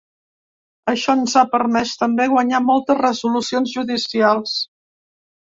Això ens ha permès també guanyar moltes resolucions judicials.